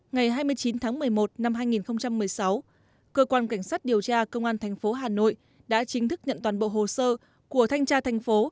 ngày hai mươi chín tháng một mươi một năm hai nghìn một mươi sáu cơ quan cảnh sát điều tra công an thành phố hà nội đã chính thức nhận toàn bộ hồ sơ của thanh tra thành phố